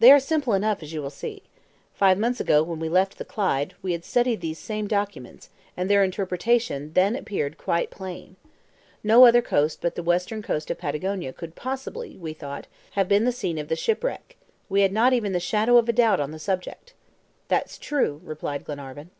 "They are simple enough, as you will see. Five months ago, when we left the Clyde, we had studied these same documents, and their interpretation then appeared quite plain. No other coast but the western coast of Patagonia could possibly, we thought, have been the scene of the shipwreck. We had not even the shadow of a doubt on the subject." "That's true," replied Glenarvan.